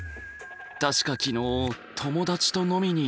確か昨日友達と飲みに行って。